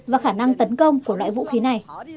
và khả năng tấn công của loại vũ khí này